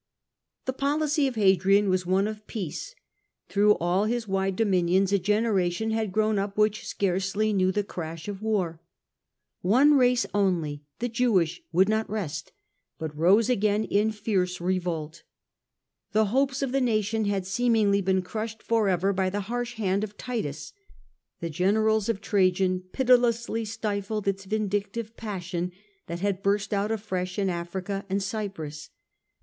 The policy of Hadrian was one of peace ; through all his wide dominions a generation had grown iiie out up which scarcely knew the crash of war. One p^estine race only, the Jewish, would not rest, but a . d . 132, rose again in fierce revolt. The hopes of the nation had seemingly been crushed for ever by the harsh hand of Titus ; the generals of Trajan pitilessly stifled its vin dictive passion that had burst out afresh in Africa and Cyprus.